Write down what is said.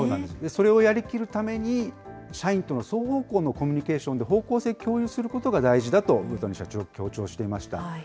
それをやりきるために、社員との双方向のコミュニケーションで方向性を共有することが大事だと魚谷社長、強調していました。